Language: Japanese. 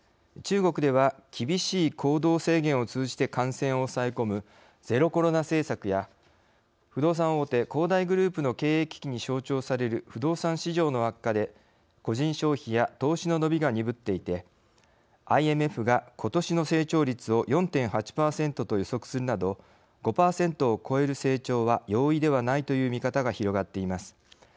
中国では厳しい行動制限を通じて感染を抑え込むゼロコロナ政策や不動産大手恒大グループの経営危機に象徴される不動産市場の悪化で個人消費や投資の伸びが鈍っていてＩＭＦが、ことしの成長率を４．８％と予測するなど５％を超える成長は容易ではないという見方が広がっています。